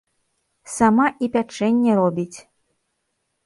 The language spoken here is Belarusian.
Сама і пячэнне робіць.